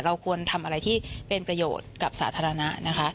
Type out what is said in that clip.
ควรทำอะไรที่เป็นประโยชน์กับสาธารณะนะคะ